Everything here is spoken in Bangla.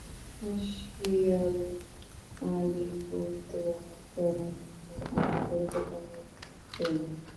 সিয়ালদাহ-আলিপুরদুয়ার জনের মতো অনেক গুরুত্বপূর্ণ ট্রেন।